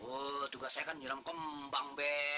oh juga saya kan jenam kembang